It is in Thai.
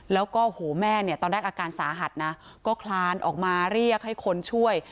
แล้วก็โหแม่เนี่ยตอนแรกอาการสาหัสนะก็คลานออกมาเรียกให้คนช่วย